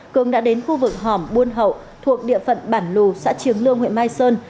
cường đã đến khu vực hòm buôn hậu thuộc địa phận bản lù xã triềng lương huyện mai sơn